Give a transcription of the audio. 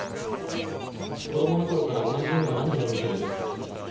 子供の頃から同じ夢を何度も見てるんです。